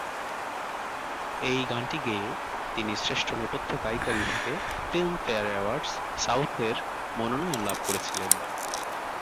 এই গানটি গেয়ে তিনি শ্রেষ্ঠ নেপথ্য গায়িকা বিভাগে ফিল্মফেয়ার অ্যাওয়ার্ডস সাউথের মনোনয়ন লাভ করেছিলেন।